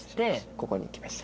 ここに来ました。